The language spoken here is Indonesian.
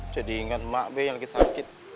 jadi inget mak b yang lagi sakit